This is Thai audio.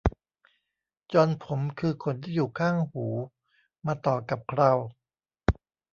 จอนผมคือขนที่อยู่ข้างหูมาต่อกับเครา